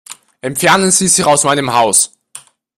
Entfernen Sie sich aus meinem Haus.